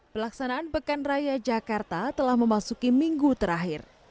pelaksanaan pekan raya jakarta telah memasuki minggu terakhir